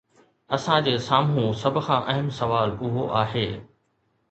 اسان جي سامهون سڀ کان اهم سوال اهو آهي.